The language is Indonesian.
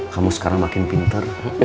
kamu sekarang makin pinter